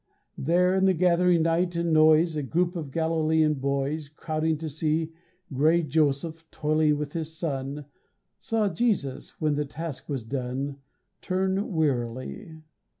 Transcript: There in the gathering night and noise A group of Galilean boys Crowding to see Gray Joseph toiling with his son, Saw Jesus, when the task was done, Turn wearily.